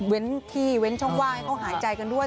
เว้นที่เว้นช่องว่ายเขาหายใจกันด้วย